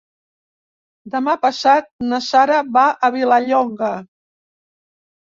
Demà passat na Sara va a Vilallonga.